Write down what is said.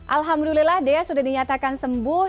alhamdulillah dea sudah dinyatakan sembuh